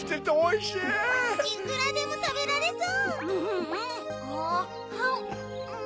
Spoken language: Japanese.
いくらでもたべられそう！